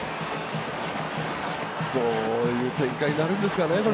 どういう展開になるんですかね。